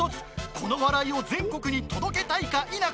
この笑いを全国に届けたいか否か。